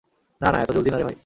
না না, এতো জলদি নারে ভাই।